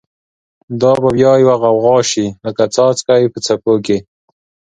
دا به بیا یوه غوغاشی، لکه څاڅکی په څپو کی